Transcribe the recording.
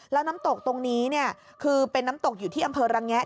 แล้วน้ำตกตรงนี้เนี่ยคือเป็นน้ำตกอยู่ที่อำเภอระแงะ